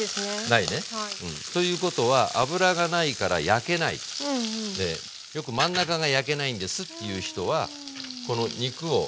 ないね。ということは油がないから焼けないんでよく真ん中が焼けないんですっていう人はこの肉を浮かせて焼いてない。